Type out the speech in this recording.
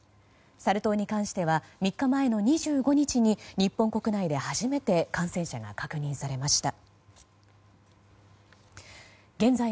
サル痘に関しては３日前の２５日に日本国内で初めて感染者が確認されました。